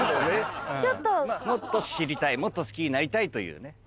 もっと知りたいもっと好きになりたいというね。